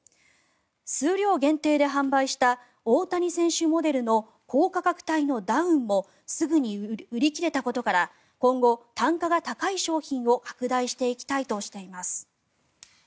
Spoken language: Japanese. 数量限定で販売した大谷選手モデルの高価格帯のダウンもすぐに売り切れたことから今後、単価が高い商品を拡大していきたいとしています。